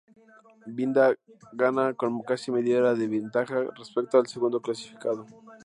Binda gana con casi media hora de ventaja respecto al segundo clasificado.